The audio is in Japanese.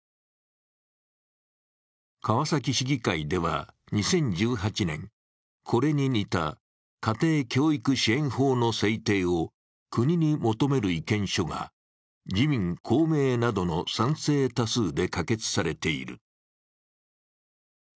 川崎市議会では２０１８年、これに似た家庭教育支援法の制定を国に求める意見書が自民・公明などの賛成多数で可決されている。